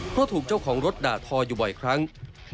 เพราะถูกเจ้าของรถด่าทออยู่บ่อยครั้ง